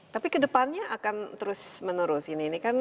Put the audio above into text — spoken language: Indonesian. tapi kedepannya akan terus menerus ini kan